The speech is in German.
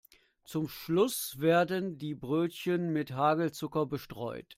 Zum Schluss werden die Brötchen mit Hagelzucker bestreut.